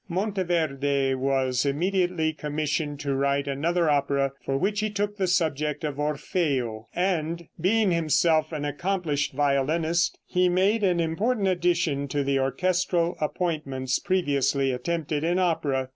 Monteverde was immediately commissioned to write another opera, for which he took the subject of "Orfeo," and, being himself an accomplished violinist, he made an important addition to the orchestral appointments previously attempted in opera.